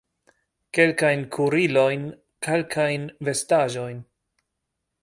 Kelkajn kuirilojn, kalkajn vestaĵojn.